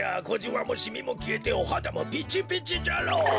こじわもシミもきえておはだもピチピチじゃろう。